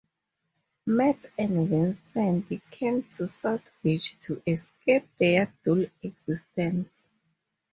Matt and Vincent came to South Beach to escape their dull existence.